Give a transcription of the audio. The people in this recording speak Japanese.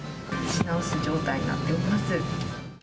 品薄状態になっております。